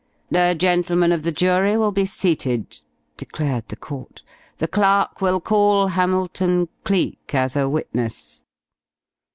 "The gentlemen of the jury will be seated," declared the court, "the clerk will call Hamilton Cleek as a witness."